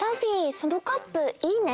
そのカップいいね！